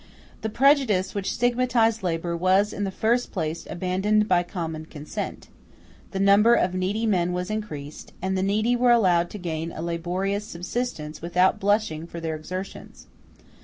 The prejudice which stigmatized labor was in the first place abandoned by common consent; the number of needy men was increased, and the needy were allowed to gain a laborious subsistence without blushing for their exertions.